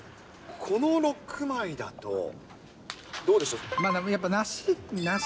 この６枚だと、どうでしょう？